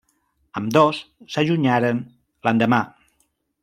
Ambdós s'allunyaren l'endemà.